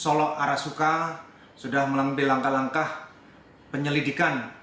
solok arasuka sudah melampir langkah langkah penyelidikan